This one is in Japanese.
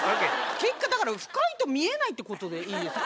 結果だから深いと見えないってことでいいですか？